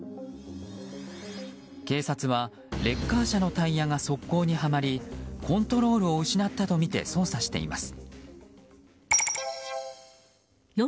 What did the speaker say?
警察はレッカー車のタイヤが側溝にはまりコントロールを失ったとみて捜査しています。